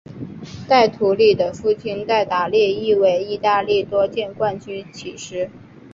戴图理的父亲戴达利亦为意大利多届冠军骑师。